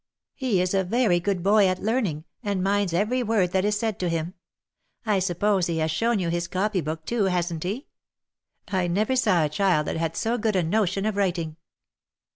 He is a very good boy at learning, and minds every word that is said to him. I suppose he has shown you his copy book too, hasn't he? I never saw a child that had so good a notion of writing."